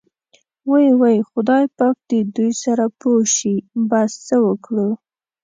وۍ وۍ خدای پاک دې دوی سره پوه شي، بس څه وکړو.